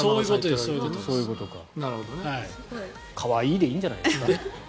可愛いでいいんじゃないですかね。